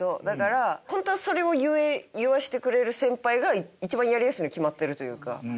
だからホントはそれを言わしてくれる先輩が一番やりやすいに決まってるというか。